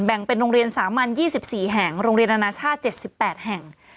เป็นโรงเรียนสามัญ๒๔แห่งโรงเรียนอนาชาติ๗๘แห่ง